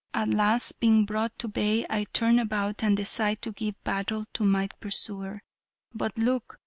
At last being brought to bay I turn about and decide to give battle to my pursuer. But look!